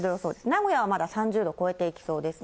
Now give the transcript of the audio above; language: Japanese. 名古屋はまだ３０度超えていきそうですね。